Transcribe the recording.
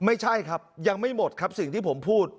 ไม่ใช่ครับยังไม่หมดครับสิ่งที่ผมพูด